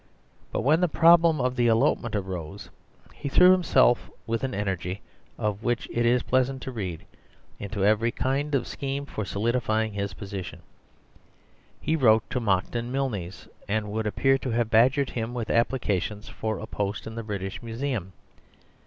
But when the problem of the elopement arose he threw himself with an energy, of which it is pleasant to read, into every kind of scheme for solidifying his position. He wrote to Monckton Milnes, and would appear to have badgered him with applications for a post in the British Museum.